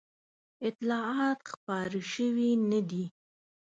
اطلاعات خپاره شوي نه دي.